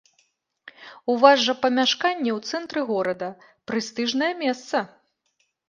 У вас жа памяшканне ў цэнтры горада, прэстыжнае месца.